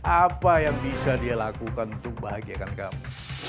apa yang bisa dia lakukan untuk bahagiakan kamu